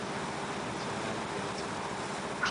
要做愛，不要作戰